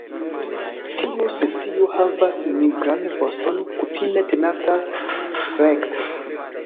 Tiu specio havas nigran voston kutime tenata rekte.